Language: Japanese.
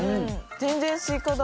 全然スイカだ。